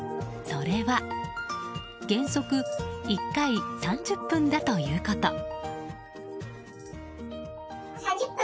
それは原則１回３０分だということ。